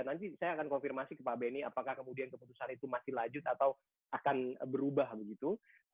nanti saya akan konfirmasi ke pak benny apakah kemudian keputusan itu masih lanjut atau akan berubah begitu